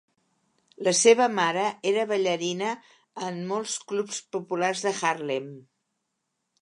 La seva mare era ballarina en molts clubs populars de Harlem.